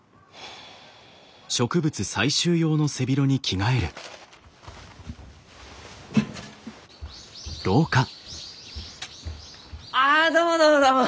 ああどうもどうもどうも！